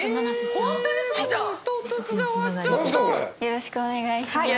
よろしくお願いします。